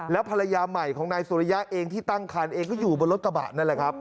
แล้วภรรยาใหม่ของนายสุริยะเองที่ตั้งคันเองก็อยู่บนรถกระบะนั่นแหละครับ